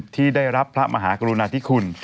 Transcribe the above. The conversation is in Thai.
ที่ได้รับพระมหากรุณาธิคุณ